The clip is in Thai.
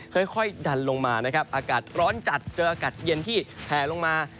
ค่อยดันลงมานะครับอากาศร้อนจัดเจออากาศเย็นที่แผลลงมา